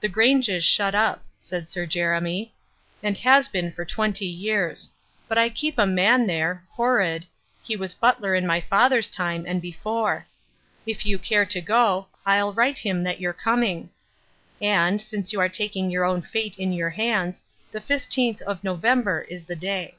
"The Grange is shut up," said Sir Jeremy, "and has been for twenty years. But I keep a man there Horrod he was butler in my father's time and before. If you care to go, I'll write him that you're coming. And, since you are taking your own fate in your hands, the fifteenth of November is the day."